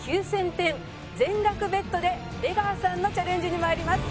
９０００点全額ベットで出川さんのチャレンジに参ります。